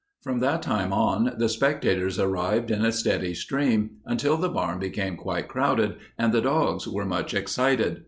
From that time on the spectators arrived in a steady stream, until the barn became quite crowded and the dogs were much excited.